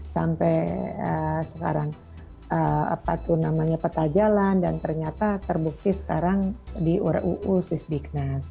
sampai sekarang apa tuh namanya peta jalan dan ternyata terbukti sekarang di ruu sisdiknas